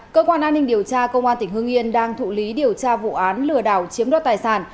cơ quan an ninh điều tra công an tỉnh hương yên đang thụ lý điều tra vụ án lừa đảo chiếm đoạt tài sản